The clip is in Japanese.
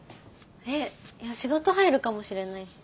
えっいや仕事入るかもしれないし。